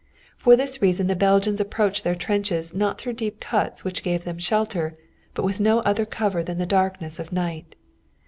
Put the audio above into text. For this reason the Belgians approached their trenches not through deep cuts which gave them shelter but with no other cover than the darkness of night.